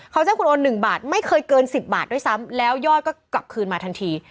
ให้คุณโอน๑บาทไม่เคยเกิน๑๐บาทด้วยซ้ำแล้วยอดก็กลับคืนมาทันที